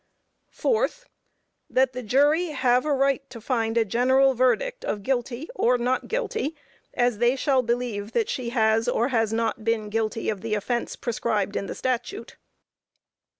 Fourth That the jury have a right to find a general verdict of guilty or not guilty, as they shall believe that she has or has not been guilty of the offense prescribed in the statute.